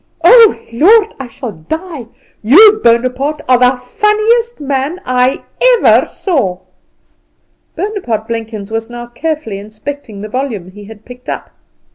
Oh, Lord, I shall die! You, Bonaparte, are the funniest man I ever saw." Bonaparte Blenkins was now carefully inspecting the volume he had picked up.